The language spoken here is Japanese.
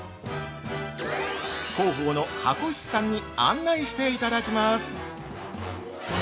広報の箱石さんに案内していただきます。